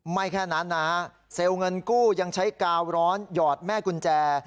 แค่นั้นนะฮะเซลล์เงินกู้ยังใช้กาวร้อนหยอดแม่กุญแจ